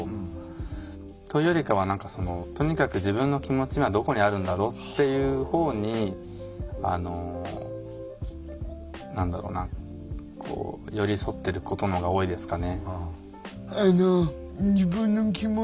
というよりかはとにかく自分の気持ち今どこにあるんだろうっていうほうにあの何だろうな寄り添ってることのほうが多いですかね。